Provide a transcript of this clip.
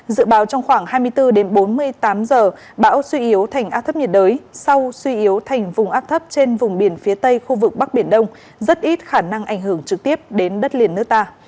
dự báo trong khoảng hai mươi bốn bốn mươi tám giờ bão suy yếu thành áp thấp nhiệt đới sau suy yếu thành vùng áp thấp trên vùng biển phía tây khu vực bắc biển đông rất ít khả năng ảnh hưởng trực tiếp đến đất liền nước ta